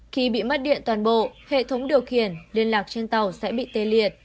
khi bị mất điện toàn bộ hệ thống điều khiển liên lạc trên tàu sẽ bị tê liệt